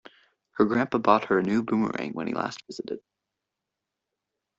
Her grandpa bought her a new boomerang when he last visited.